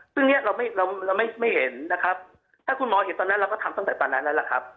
ซึ่งเนี้ยเราไม่เราไม่เห็นนะครับถ้าคุณหมอเห็นตอนนั้นเราก็ทำตั้งแต่ตอนนั้นแล้วล่ะครับ